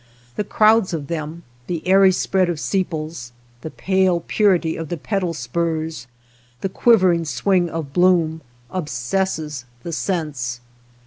The crowds of them, the airy spread of sepals, the pale purity of the petal spurs, the quivering swing of bloom, obsesses the sense.